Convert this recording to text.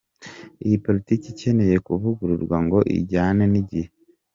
Iyi politiki ikeneye kuvugururwa ngo ijyane n’igihe.